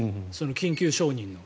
緊急承認の。